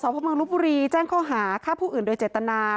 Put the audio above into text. สวทธิ์สวทธิ์พระมังลูกบุรีแจ้งเข้าหาค่าผู้อื่นโดยเจตนา